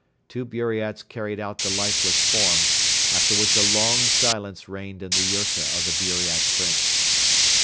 Two Buriats carried out the lifeless form, after which a long silence reigned in the yurta of the Buriat Prince.